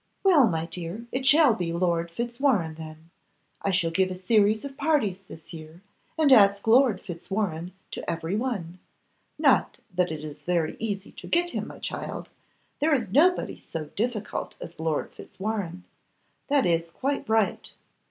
'Well, my dear, it shall be Lord Fitzwarrene, then. I shall give a series of parties this year, and ask Lord Fitzwarrene to every one. Not that it is very easy to get him, my child. There is nobody so difficult as Lord Fitzwarrene. That is quite right.